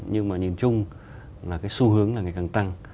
nhưng mà nhìn chung là cái xu hướng là ngày càng tăng